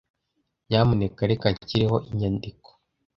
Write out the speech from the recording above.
Nyamuneka reka nshyireho inyandiko.